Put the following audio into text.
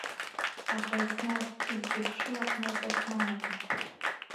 Аха еснагь уззыԥшым аҟноуп уахьнанаго.